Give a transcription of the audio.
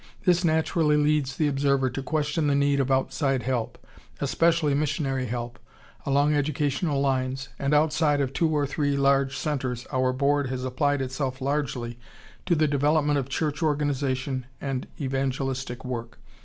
This naturally leads the observer to question the need of outside help, especially missionary help, along educational lines, and outside of two or three large centres our Board has applied itself largely to the development of church organization and evangelistic work.